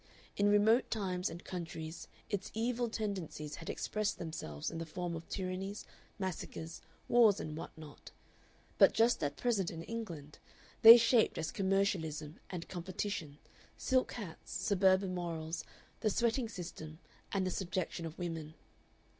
In remote times and countries its evil tendencies had expressed themselves in the form of tyrannies, massacres, wars, and what not; but just at present in England they shaped as commercialism and competition, silk hats, suburban morals, the sweating system, and the subjection of women.